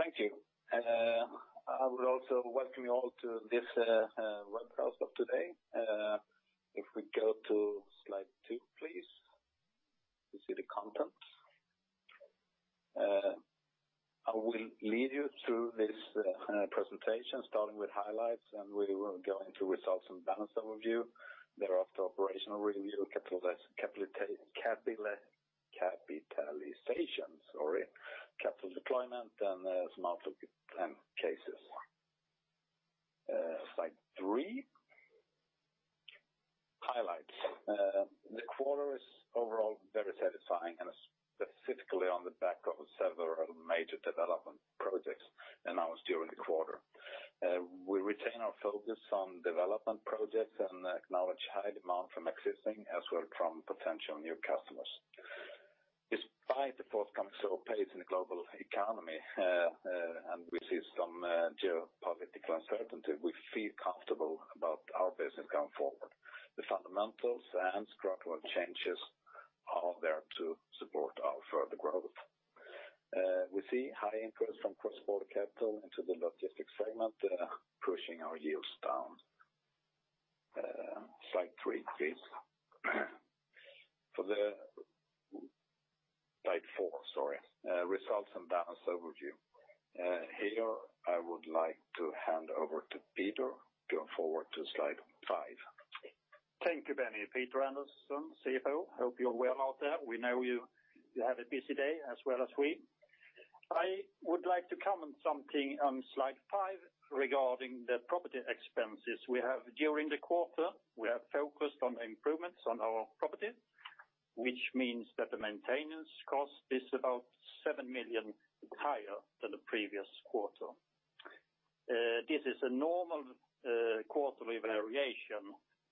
Thank you. I would also welcome you all to this webcast of today. If we go to slide two, please, to see the content. I will lead you through this presentation, starting with highlights, and we will go into results and balance overview. Thereafter, operational review, capitalization, sorry, capital deployment, and some outlook and cases. Slide three. Highlights. The quarter is overall very satisfying, and specifically on the back of several major development projects announced during the quarter. We retain our focus on development projects and acknowledge high demand from existing as well from potential new customers. Despite the forthcoming slow pace in the global economy, and we see some geopolitical uncertainty, we feel comfortable about our business going forward. The fundamentals and structural changes are there to support our further growth. We see high interest from cross-border capital into the logistics segment, pushing our yields down. Slide three, please. Slide four, sorry. Results and balance overview. Here, I would like to hand over to Peter, going forward to slide five. Thank you, Benny. Peter Andersson, CFO. Hope you're well out there. We know you, you have a busy day as well as we. I would like to comment something on slide 5 regarding the property expenses. We have, during the quarter, we have focused on improvements on our property, which means that the maintenance cost is about 7 million higher than the previous quarter. This is a normal quarterly variation,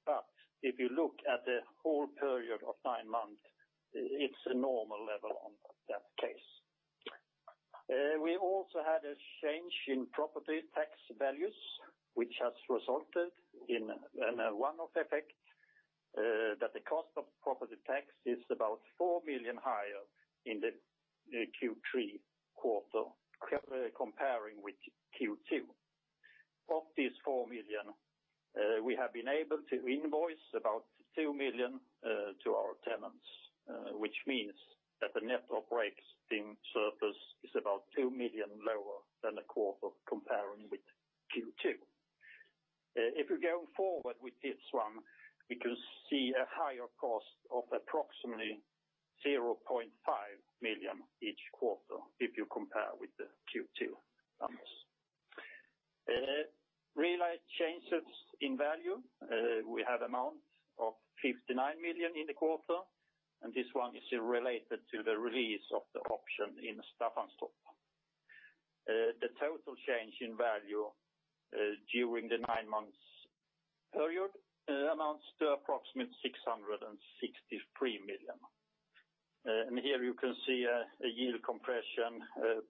but if you look at the whole period of nine months, it's a normal level on that case. We also had a change in property tax values, which has resulted in a one-off effect that the cost of property tax is about 4 million higher in the Q3 quarter, comparing with Q2. Of this 4 million, we have been able to invoice about 2 million to our tenants, which means that the net operating surplus is about 2 million lower than the quarter comparing with Q2. If you go forward with this one, we can see a higher cost of approximately 0.5 million each quarter, if you compare with the Q2 numbers. Realized changes in value, we have amount of 59 million in the quarter, and this one is related to the release of the option in Staffanstorp. The total change in value during the 9 months period amounts to approximately 663 million. Here you can see a yield compression,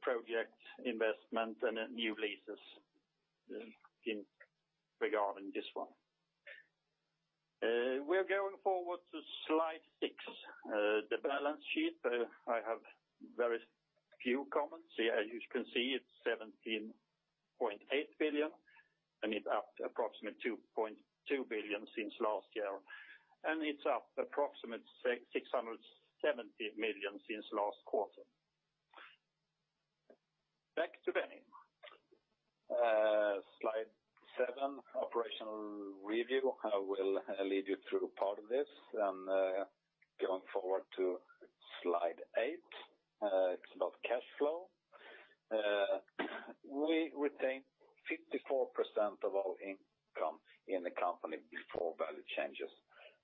project investment, and new leases in regarding this one. We're going forward to slide six. The balance sheet, I have very few comments. As you can see, it's 17.8 billion, and it's up approximately 2.2 billion since last year, and it's up approximately 670 million since last quarter. Back to Benny. Slide seven, operational review. I will lead you through part of this, and going forward to slide 8, it's about cash flow. We retain 54% of our income in the company before value changes.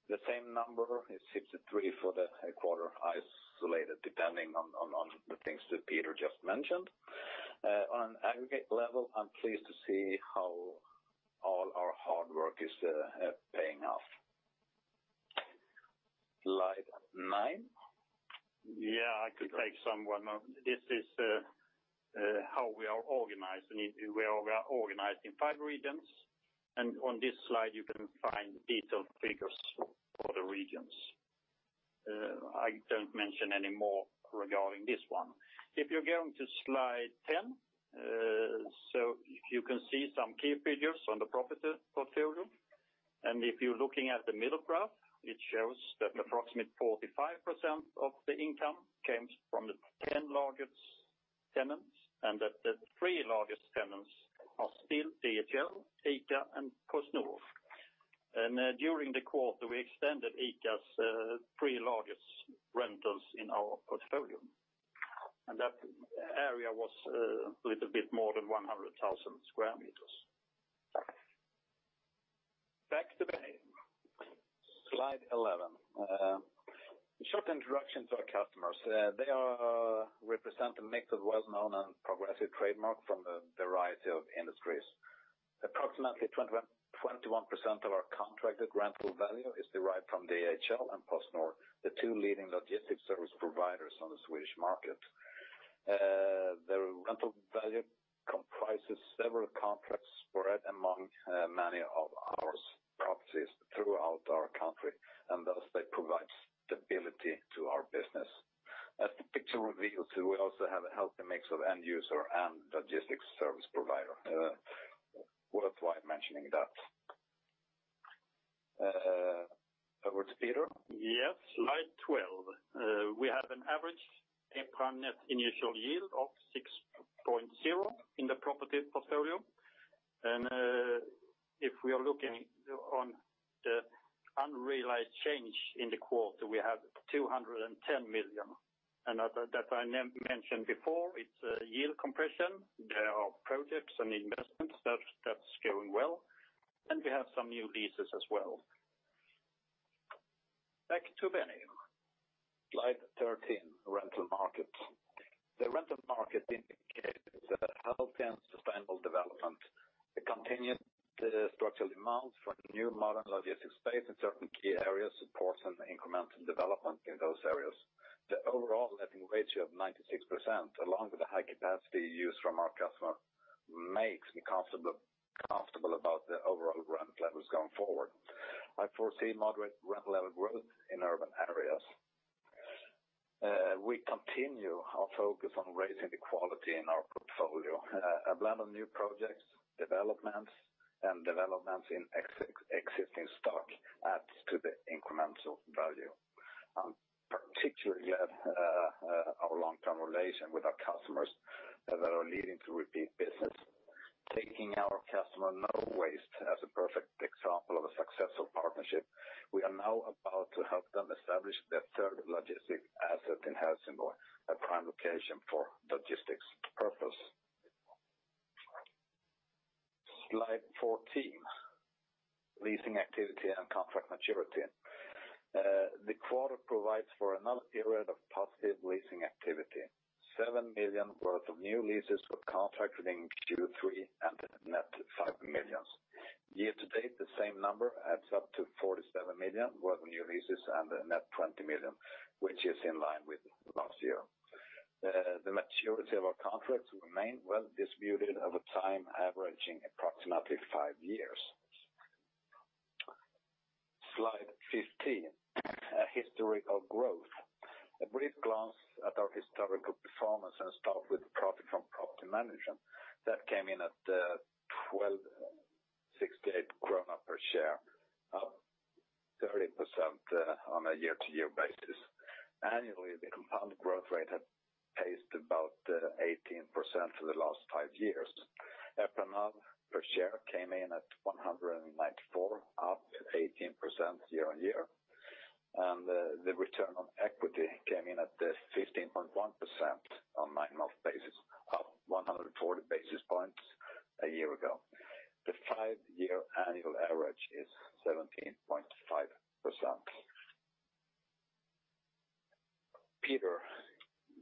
The same number is 63 for the quarter, isolated, depending on the things that Peter just mentioned. On an aggregate level, I'm pleased to see how all our hard work is paying off. Slide nine. Yeah, I could take some one. This is how we are organized. We are organized in five regions, and on this slide, you can find detailed figures for the regions. I don't mention any more regarding this one. If you're going to slide 10, so you can see some key figures on the property portfolio. If you're looking at the middle graph, it shows that approximate 45% of the income comes from the 10 largest tenants, and that the three largest tenants are still DHL, ICA, and PostNord. During the quarter, we extended ICA's three largest rentals in our portfolio, and that area was a little bit more than 100,000 square meters. Back to Benny. Slide 11. A short introduction to our customers. They represent a mix of well-known and progressive trademarks from a variety of industries. Approximately 21% of our contracted rental value is derived from DHL and PostNord, the two leading logistics service providers on the Swedish market. The rental value arises from several contracts spread among many of our properties throughout our country, and thus they provide stability to our business. As the picture reveals, too, we also have a healthy mix of end user and logistics service provider. Worth mentioning that. Over to Peter. Yes, slide 12. We have an average EPRA Net Initial Yield of 6.0 in the property portfolio. And, if we are looking on the unrealized change in the quarter, we have 210 million. And as I mentioned before, it's a yield compression. There are projects and investments that's going well, and we have some new leases as well. Back to Benny. Slide 13, rental markets. The rental market indicates a healthy and sustainable development. The continued structural demand for new modern logistics space in certain key areas supports an incremental development in those areas. The overall letting ratio of 96%, along with the high capacity use from our customer, makes me comfortable, comfortable about the overall rent levels going forward. I foresee moderate rent level growth in urban areas. We continue our focus on raising the quality in our portfolio. A blend of new projects, developments, and developments in existing stock adds to the incremental value. Particularly, our long-term relation with our customers that are leading to repeat business. Taking our customer, Nowaste, as a perfect example of a successful partnership, we are now about to help them establish their third logistics asset in Helsingborg, a prime location for logistics purpose. Slide 14, leasing activity and contract maturity. The quarter provides for another period of positive leasing activity. 7 million worth of new leases were contracted in Q3 and net 5 million. Year to date, the same number adds up to 47 million worth of new leases and a net 20 million, which is in line with last year. The maturity of our contracts remain well distributed over time, averaging approximately five years. Slide 15, a history of growth. A brief glance at our historical performance, and start with profit from property management. That came in at SEK 1,268 per share, up 30%, on a year-over-year basis. Annually, the compound growth rate has paced about 18% for the last five years. EPRA NAV per share came in at 194, up 18% year-over-year. The return on equity came in at 15.1% on nine-month basis, up 140 basis points a year ago. The five-year annual average is 17.5%. Peter?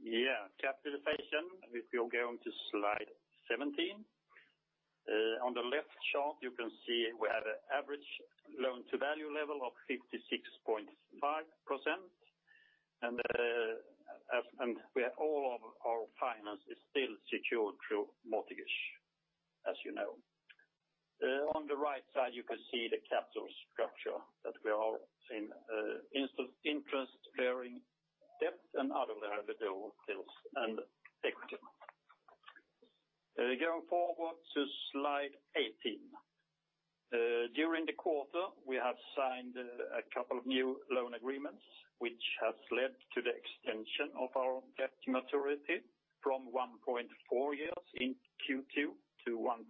Yeah, capitalization. If you're going to slide 17. On the left chart, you can see we have an average loan-to-value level of 56.5%, and as where all of our finance is still secured through mortgage, as you know. On the right side, you can see the capital structure, that we are all in interest-bearing debt, and out of there, the bonds and equity. Going forward to slide 18. During the quarter, we have signed a couple of new loan agreements, which has led to the extension of our debt maturity from 1.4 years in Q2 to 1.6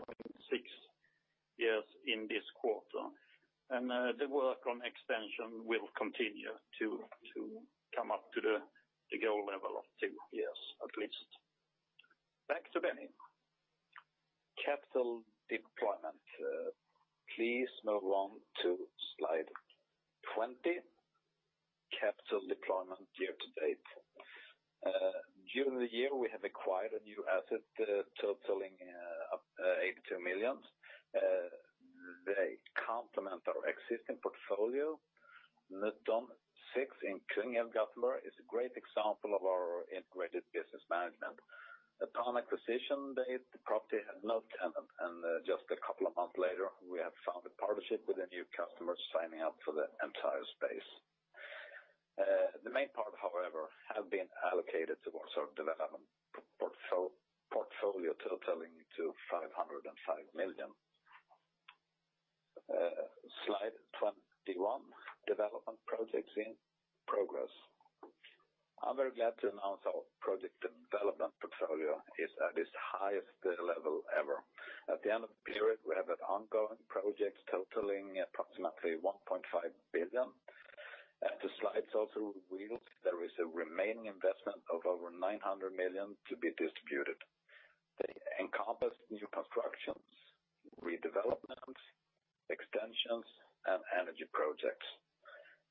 years in this quarter. The work on extension will continue to come up to the goal level of 2 years, at least. Back to Benny. Capital deployment. Please move on to slide 20, capital deployment year to date. During the year, we have acquired a new asset, totaling SEK 82 million. They complement our existing portfolio. Nyttan 6 in Kungälv, Gothenburg, is a great example of our integrated business management. Upon acquisition date, the property had no tenant, and just a couple of months later, we have found a partnership with a new customer signing up for the entire space. The main part, however, has been allocated towards our development portfolio, totaling 505 million. Slide 21, development projects in progress. I'm very glad to announce our project development portfolio is at its highest level ever. At the end of the period, we have an ongoing project totaling approximately 1.5 billion. The slides also reveal there is a remaining investment of over 900 million to be distributed. They encompass new constructions, redevelopment, extensions, and energy projects.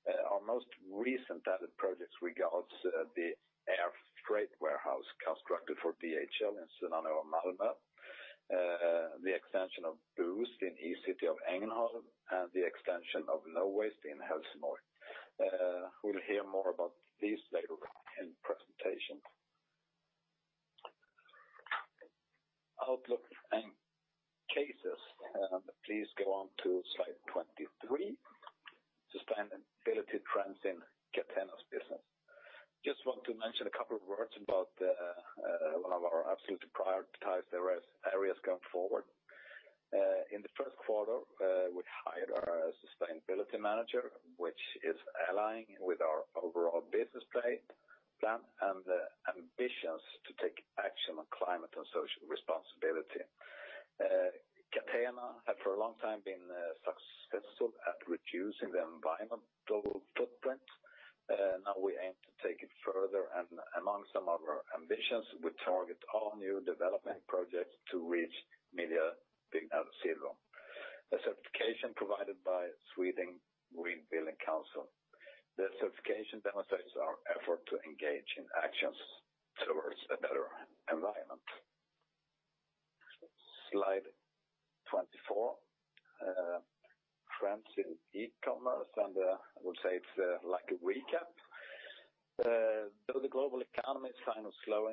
Our most recent added projects regard the air freight warehouse constructed for DHL in Sunnanå, Malmö. The extension of Boozt in E-City Ängelholm, and the extension of Nowaste in Helsingborg. We'll hear more about these later in presentation. Outlook and cases, please go on to slide 23. Sustainability trends in Catena's business. Just want to mention a couple of words about the one of our absolutely prioritized areas, areas going forward. In the first quarter, we hired our sustainability manager, which is aligning with our overall business plan, plan, and ambitions to take action on climate and social responsibility. Catena have for a long time been successful at reducing the environmental footprint, now we aim to take it further, and among some of our ambitions, we target all new development projects to reach Miljöbyggnad Silver. The certification provided by Sweden Green Building Council. The certification demonstrates our effort to engage in actions towards a better environment. Slide 24, trends in e-commerce, and I would say it's like a recap. Though the global economy signs slowing activity, there are reasons to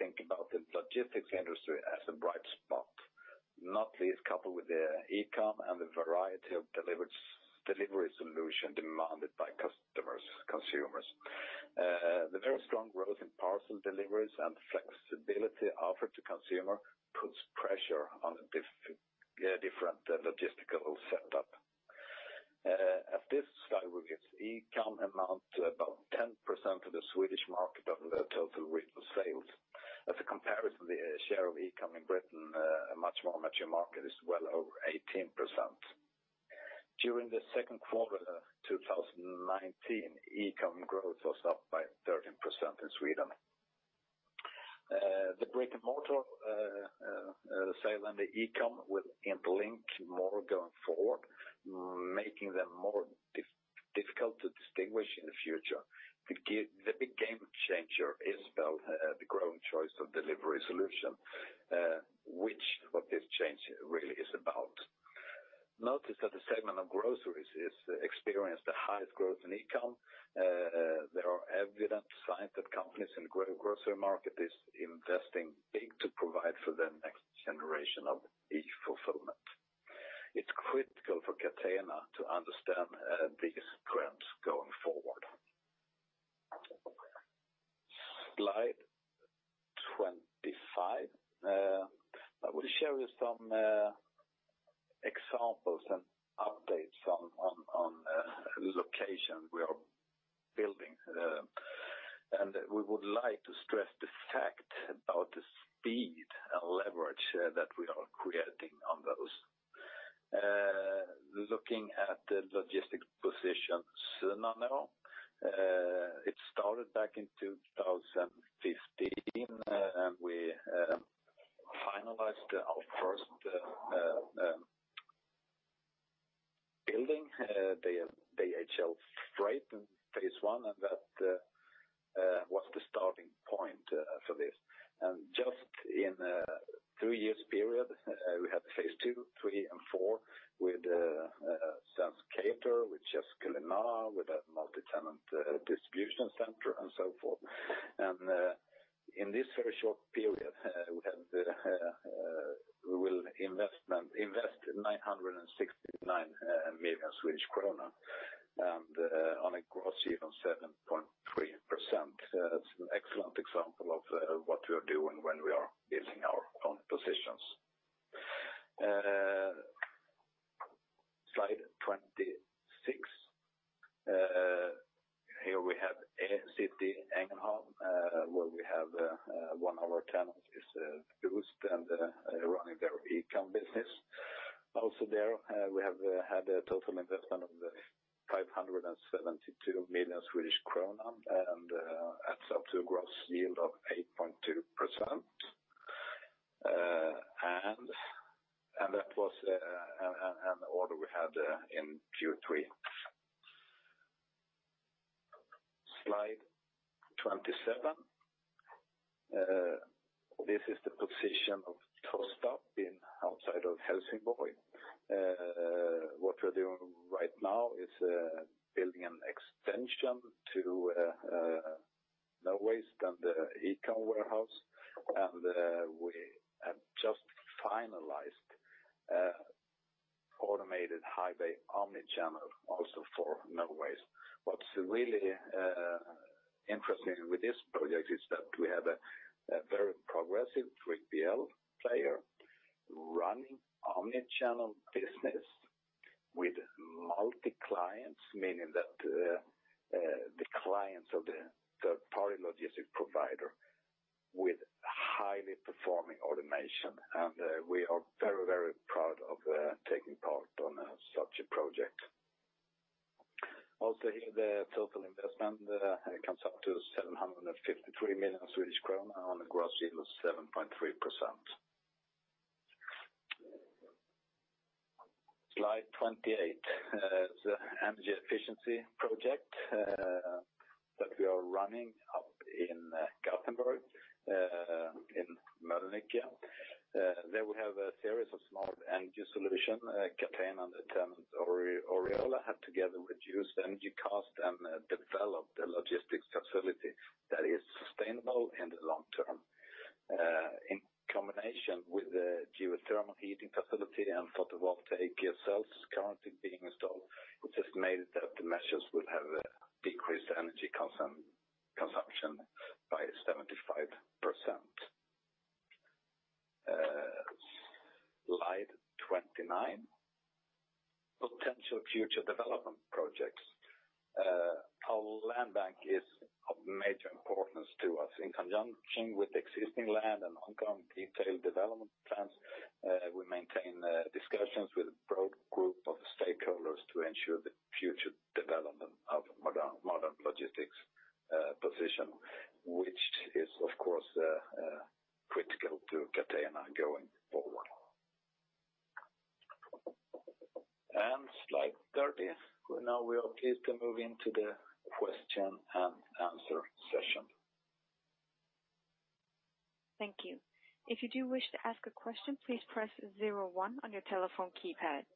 think about the logistics industry as a bright spot, not least coupled with the e-com and the variety of delivery solution demanded by customers, consumers. The very strong growth in parcel deliveries and flexibility offered to consumer puts pressure on a different logistical setup. At this slide, we get e-com amount to about 10% of the Swedish market of the total retail sales. As a comparison, the share of e-com in Britain, a much more mature market, is well over 18%. During the second quarter, 2019, e-com growth was up by 13% in Sweden. The brick-and-mortar sale and the e-com will interlink more going forward, making them more difficult to distinguish in the future. The big game changer is about the growing choice of delivery solution, which what this change really is about. Notice that the segment of groceries is experienced the highest growth in e-com. There are evident signs that companies in grocery market is investing big to provide for the next generation of e-fulfillment. It's critical for Catena to understand these trends going forward. Slide 25. I will show you some examples and updates on locations we are building. And we would like to stress the fact about the speed and leverage that we are creating on those. Looking at the logistics position Sunnanå, it started back in 2015, and we finalized our first building, the DHL Freight in phase I, and that was the starting point for this. And just in two years period, we had phase II, III, and IV, with Svensk Cater, with Chefs Culinar, with a multi-tenant distribution center, and so forth. And in this very short period, we will invest 969 million Swedish kronor, and on a gross yield of 7.3%. That's an excellent example of what we are doing when we are building our own positions. Slide 26. Here we have E-City Ängelholm, where one of our tenants is Boozt and running their e-com business. Also there, we have had a total investment of SEK 572 million, and adds up to a gross yield of 8.2%. That was an order we had in Q3. Slide 27. This is the position of Tostarp outside of Helsingborg. What we're doing right now is building an extension to Nowaste and the e-com warehouse, and we have just finalized automated high bay omni-channel, also for Nowaste. What's really interesting with this project is that we have a very progressive 3PL player running omni-channel business with multi clients, meaning that the clients of the third-party logistics provider with highly performing automation, and we are very, very proud of taking part on such a project. Also, here, the total investment comes up to 753 million Swedish kronor on a gross yield of 7.3%. Slide 28 is energy efficiency project. ...We are running up in Gothenburg in Mölnlycke. There we have a series of smart energy solution, Catena, and the tenant Oriola have together reduced energy cost and developed a logistics facility that is sustainable in the long term. In combination with the geothermal heating facility and photovoltaic cells currently being installed, it's estimated that the measures will have decreased energy consumption by 75%. Slide 29. Potential future development projects. Our land bank is of major importance to us. In conjunction with existing land and ongoing detailed development plans, we maintain discussions with a broad group of stakeholders to ensure the future development of modern logistics position, which is, of course, critical to Catena going forward. Slide 30. Now we are pleased to move into the question and answer session. Thank you. If you do wish to ask a question, please press zero one on your telephone keypad.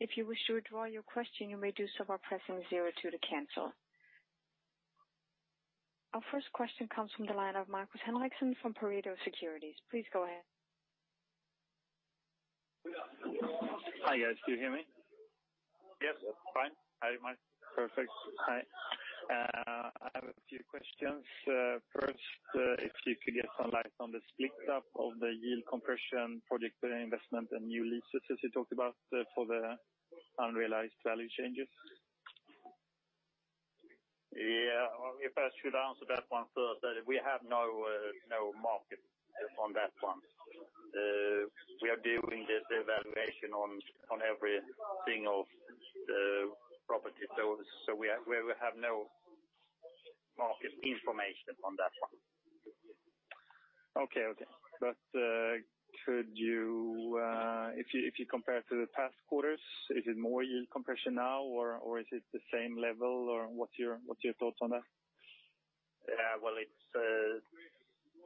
If you wish to withdraw your question, you may do so by pressing zero two to cancel. Our first question comes from the line of Markus Henriksson from Pareto Securities. Please go ahead. Hi, guys. Do you hear me? Yes. Fine. Hi, Mike. Perfect. Hi. I have a few questions. First, if you could get some light on the split up of the yield compression, project investment, and new leases, as you talked about, for the unrealized value changes? Yeah, if I should answer that one first, that we have no, no market on that one. We are doing this evaluation on every single property. So, we have no market information on that one. Okay. Okay. But, could you, if you, if you compare to the past quarters, is it more yield compression now, or, or is it the same level, or what's your, what's your thoughts on that? Yeah, well, it's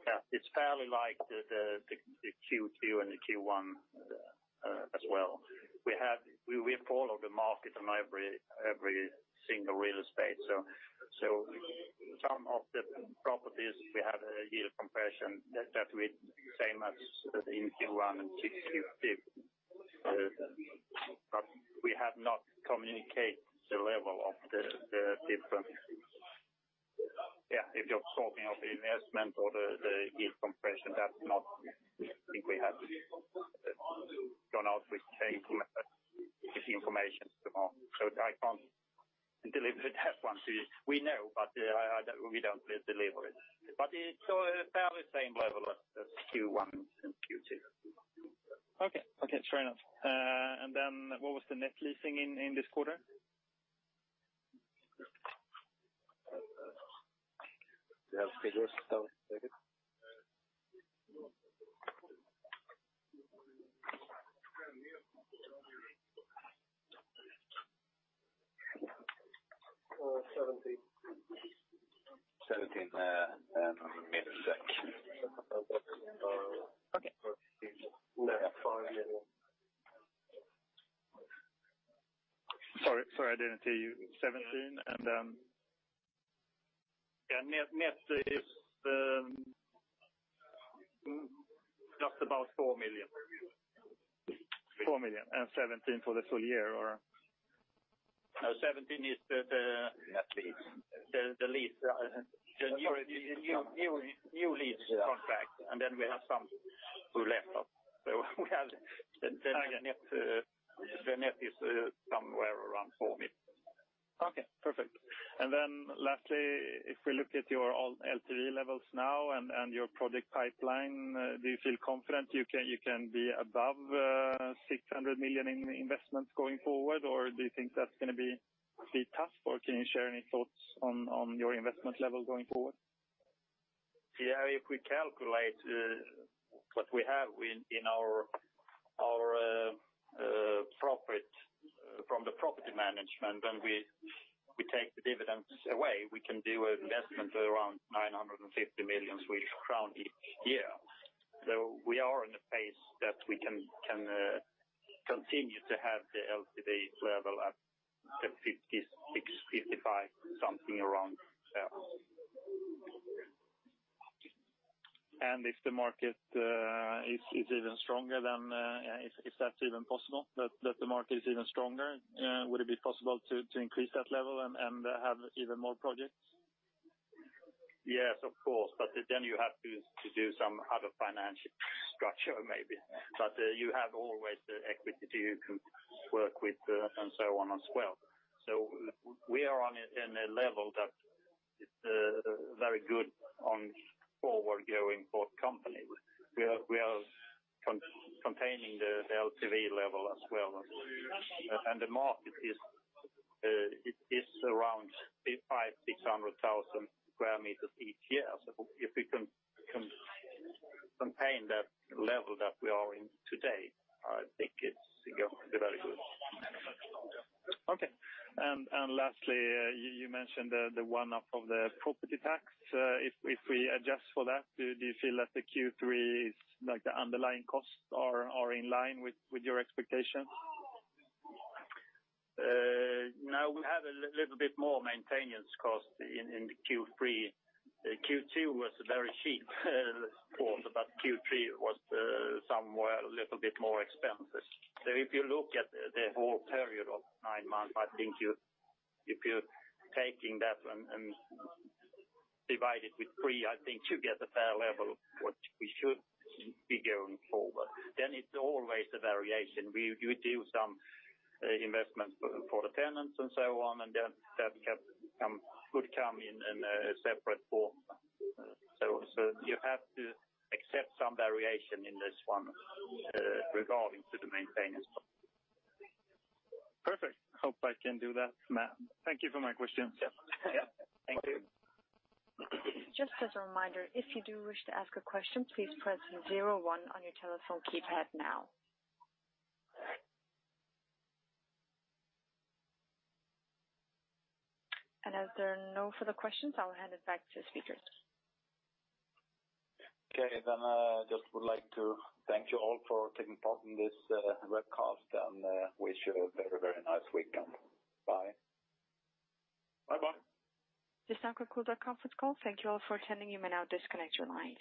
yeah, it's fairly like the Q2 and the Q1 as well. We follow the market on every single real estate. So some of the properties, we have a yield compression that with same as in Q1 and Q2. But we have not communicated the level of the difference. Yeah, if you're talking of the investment or the yield compression, that's not. I think we have gone out with this information tomorrow. So I can't deliver that one to you. We know, but we don't deliver it. But it's so fairly same level as Q1 and Q2. Okay. Okay, fair enough. And then what was the net leasing in this quarter? Do you have figures? David. 17. 17, give me a sec. Okay. Sorry, sorry, I didn't hear you. 17, and... Yeah, net, net is just about 4 million. 4 million, and 17 million for the full year, or? No, 17 is the lease, the new lease contract, and then we have some who left off. So the net is somewhere around 4 million. Okay, perfect. And then lastly, if we look at your all LTV levels now and, and your project pipeline, do you feel confident you can, you can be above 600 million in investments going forward? Or do you think that's going to be pretty tough, or can you share any thoughts on, on your investment level going forward? Yeah, if we calculate what we have in our profit from the property management, and we take the dividends away, we can do investment around 950 million Swedish crown each year. So we are on the pace that we can continue to have the LTV level at 56, 55, something around there. And if the market is even stronger, then, if that's even possible, that the market is even stronger, would it be possible to increase that level and have even more projects? Yes, of course, but then you have to do some other financial structure, maybe. But you have always the equity to work with, and so on as well. So we are on a level that is very good going forward for the company. We are containing the LTV level as well. And the market is around 500,000-600,000 sq m each year. So if we can contain that level that we are in today, I think it's going to be very good. Okay. And lastly, you mentioned the one up of the property tax. If we adjust for that, do you feel that the Q3 is, like, the underlying costs are in line with your expectations? Now, we have a little bit more maintenance cost in the Q3. Q2 was very cheap, but Q3 was somewhere a little bit more expensive. So if you look at the whole period of nine months, I think you, if you're taking that and divide it with three, I think you get a fair level of what we should be going forward. Then it's always a variation. We do some investments for the tenants and so on, and then that can come, could come in a separate form. So you have to accept some variation in this one regarding to the maintenance. Perfect. Hope I can do that math. Thank you for my questions. Yeah. Yeah. Thank you. Just as a reminder, if you do wish to ask a question, please press zero one on your telephone keypad now. As there are no further questions, I'll hand it back to the speakers. Okay. Then, just would like to thank you all for taking part in this webcast, and wish you a very, very nice weekend. Bye. Bye-bye. This concludes our conference call. Thank you all for attending. You may now disconnect your line.